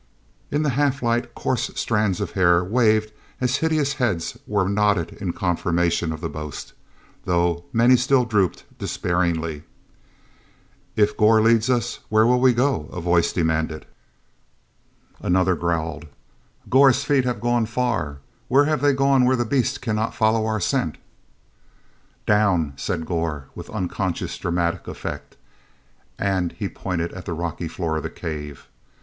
In the half light, coarse strands of hair waved as hideous heads were nodded in confirmation of the boast, though many still drooped despairingly. "If Gor leads, where will he go?" a voice demanded. Another growled: "Gor's feet have gone far: where have they gone where the Beast cannot follow our scent?" "Down!" said Gor with unconscious dramatic effect, and he pointed at the rocky floor of the cave.